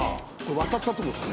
渡ったとこですね